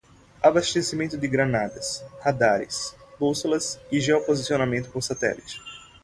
Abastecimento de granadas, radares, bússolas e geoposicionamento por satélite